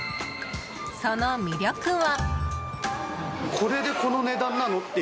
その魅力は。